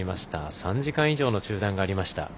３時間以上の中断がありました。